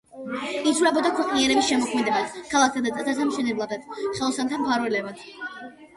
ითვლებოდა ქვეყნიერების შემოქმედად, ქალაქთა და ტაძართა მშენებლად, ხელოსანთა მფარველად.